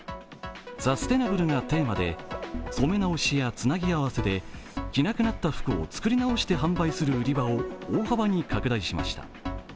サステナブルがテーマで、染め直しやつなぎ合わせで着なくなった服を作り直して販売する売り場を大幅に拡大しました。